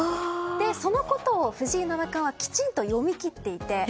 そのことを藤井七冠はきちんと読み切っていて。